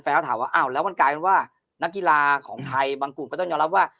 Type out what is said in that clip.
แล้วถามว่าอ้าวแล้วมันกลายเป็นว่านักกีฬาของไทยบางกลุ่มก็ต้องยอมรับว่า